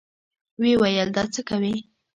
ويې ويل دا څه کوې.